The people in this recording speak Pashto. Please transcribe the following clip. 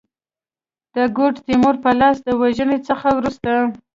د ګوډ تیمور په لاس د وژني څخه وروسته.